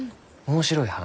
面白い話？